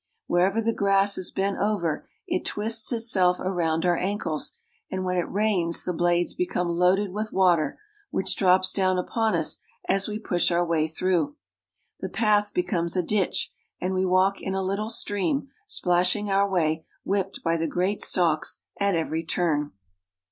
Wherever the grass is bent over it twists itself around our ankles, and when it rains the blades become loaded with water, which drops down upon us as we push our way through. The path becomes a ditch, and we walk in a little stream, splashing our way, whipped by the great stalks at every turn.